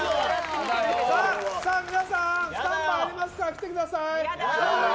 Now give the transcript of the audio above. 皆さんスタンバイありますから来てください。